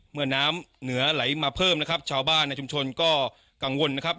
เมื่อน้ำเหนือไหลมาเพิ่มนะครับชาวบ้านในชุมชนก็กังวลนะครับ